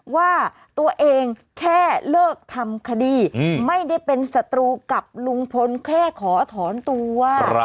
ว่าตัวเองแค่เลิกทำคดีไม่ได้เป็นศัตรูกับลุงพลแค่ขอถอนตัว